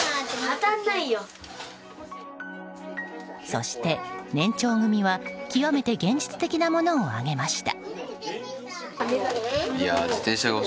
そして、年長組は極めて現実的なものを挙げました。